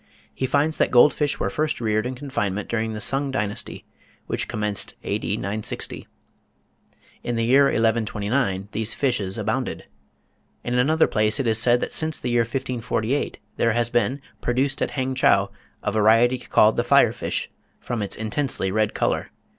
He finds that gold fish were first reared in confinement during the Sung Dynasty, which commenced A.D. 960. In the year 1129 these fishes abounded. In another place it is said that since the year 1548 there has been "produced at Hangchow a variety called the fire fish, from its intensely red colour.